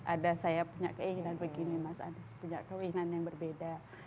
ada saya punya keinginan begini mas anies punya keinginan yang berbeda